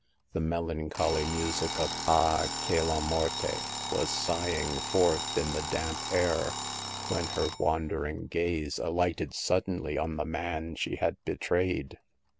The melan choly music of Ah, che la morte " was sighing forth in the damp air, when her wandering gaze alighted suddenly on the man she had betrayed.